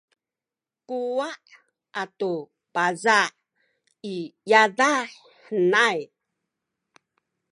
kuwa’ atu paza’ i yadah henay